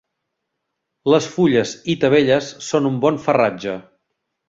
Les fulles i tavelles són un bon farratge.